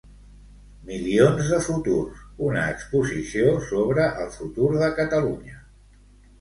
Milions de futurs, una exposició sobre el futur de Catalunya.